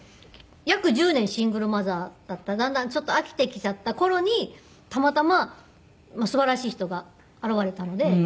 約１０年シングルマザーだっただんだんちょっと飽きてきちゃった頃にたまたますばらしい人が現れたので。